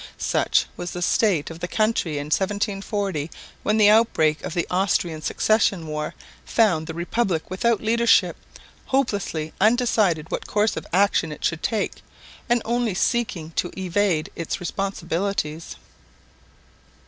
Such was the state of the country in 1740, when the outbreak of the Austrian Succession War found the Republic without leadership, hopelessly undecided what course of action it should take, and only seeking to evade its responsibilities.